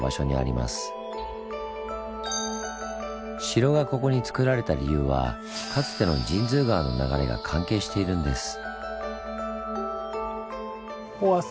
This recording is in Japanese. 城がここにつくられた理由はかつての神通川の流れが関係しているんです。